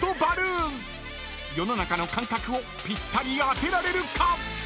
［世の中の感覚をぴったり当てられるか⁉］